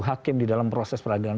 hakim di dalam proses peradilan